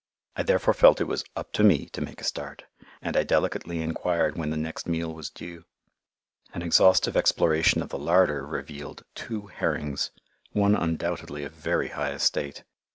I therefore felt it was "up to me" to make a start, and I delicately enquired when the next meal was due. An exhaustive exploration of the larder revealed two herrings, one undoubtedly of very high estate.